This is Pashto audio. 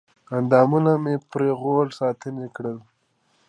اندامونه مې پرې غوړ شانتې کړل